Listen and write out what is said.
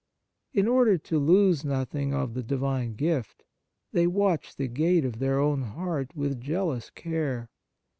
In order to lose nothing of the Divine gift, they watch the gate of their own heart with jealous care.